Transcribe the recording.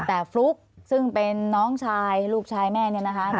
แต่ฟลุ๊กซึ่งเป็นน้องชายลูกชายแม่เนี่ยนะคะ